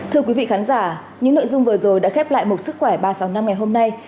thưa quý vị khán giả những nội dung vừa rồi đã khép lại mục sức khỏe ba trăm sáu mươi năm ngày hôm nay